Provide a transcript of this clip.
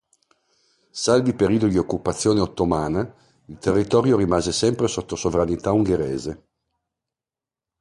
Salvi i periodi di occupazione ottomana, il territorio rimase sempre sotto sovranità ungherese.